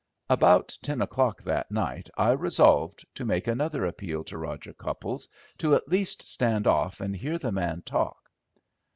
About ten o'clock that night I resolved to make another appeal to Roger Cupples to at least stand off and hear the man talk.